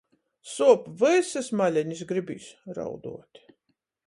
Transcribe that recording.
Suop vysys malenis, gribīs rauduot.